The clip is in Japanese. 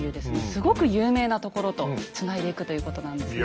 すごく有名なところとつないでいくということなんですね。